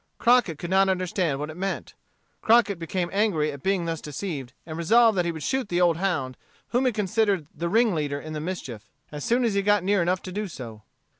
Crockett could not understand what it meant. Crockett became angry at being thus deceived, and resolved that he would shoot the old hound, whom he considered the ringleader in the mischief, as soon as he got near enough to do so.